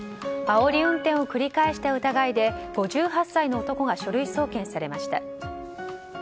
あおり運転を繰り返した疑いで５８歳の男が書類送検されました。